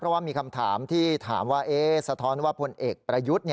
เพราะว่ามีคำถามที่ถามว่าสะท้อนว่าพลเอกประยุทธ์